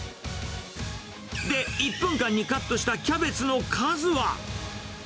で、１分間にカットしたキャベツの数は。